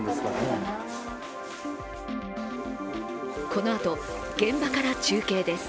このあと、現場から中継です。